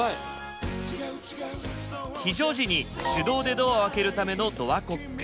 非常時に手動でドアを開けるためのドアコック。